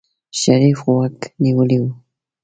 شريف غوږ نيولی و.